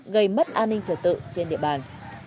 gây mất an ninh trở tự trên địa bàn